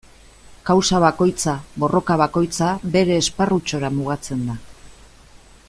Kausa bakoitza, borroka bakoitza, bere esparrutxora mugatzen da.